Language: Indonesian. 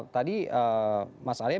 tadi mas arya